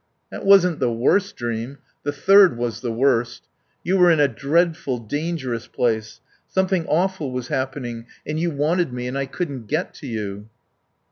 "That wasn't the worst dream. The third was the worst. You were in a dreadful, dangerous place. Something awful was happening, and you wanted me, and I couldn't get to you."